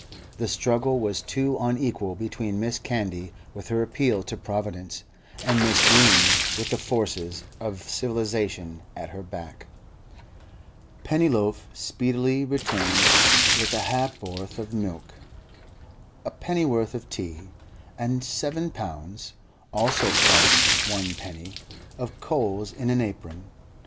The struggle was too unequal between Mrs. Candy with her appeal to Providence, and Mrs. Green with the forces of civilisation at her back. Pennyloaf speedily returned with a ha'p'orth of milk, a pennyworth of tea, and seven pounds (also price one penny) of coals in an apron.